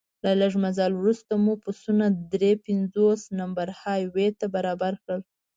له لږ مزل وروسته مو بسونه درې پنځوس نمبر های وې ته برابر شول.